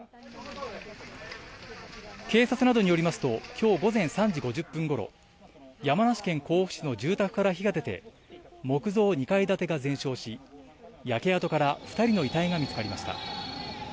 警察などによりますと、きょう午前３時５０分ごろ、山梨県甲府市の住宅から火が出て、木造２階建てが全焼し、焼け跡から２人の遺体が見つかりました。